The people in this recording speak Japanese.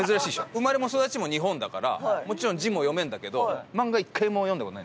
生まれも育ちも日本だからもちろん字も読めるんだけど漫画１回も読んだ事ない。